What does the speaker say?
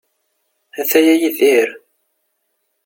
Ataya Yidir?